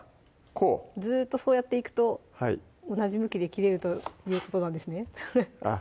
こうずっとそうやっていくと同じ向きで切れるということなんですねあっ